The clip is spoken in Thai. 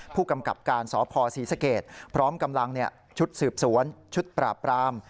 ผู้กำกับการสพศรีสเกตพร้อมกำลังชุดสืบสวนชุดปราบปราม